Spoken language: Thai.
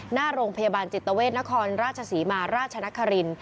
หน้าโรงพยาบาลจิตเวทนครราชศรีมาราชนคริน